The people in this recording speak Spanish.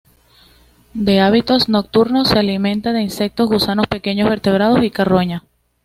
De hábitos nocturnos; se alimenta de insectos, gusanos, pequeños vertebrados y, carroña.